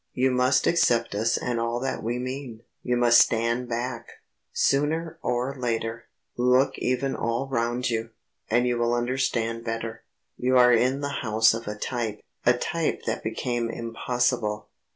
"You must accept us and all that we mean, you must stand back; sooner or later. Look even all round you, and you will understand better. You are in the house of a type a type that became impossible.